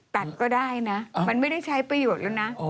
ก็ได้นะมันไม่ได้ใช้ประโยชน์แล้วนะ